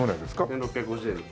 １６５０円です。